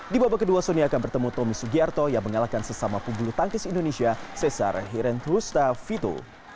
di babak kedua sonny akan bertemu tommy sugierto yang menggalakkan sesama pebulu tangkis indonesia cesar hiren rustafito